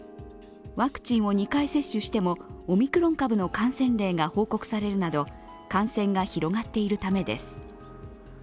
ワクチンを２回接種してもオミクロン株の感染例が報告されるなど感染が広がっているためです。